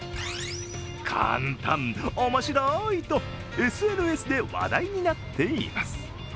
簡単、面白いとＳＮＳで話題になっています。